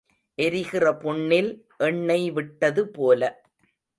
எரிகிற புண்ணில் எண்ணெய் விட்டது போல.